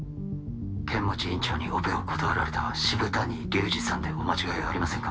剣持院長にオペを断られた渋谷隆治さんでお間違えはありませんか？